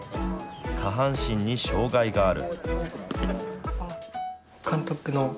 下半身に障害がある。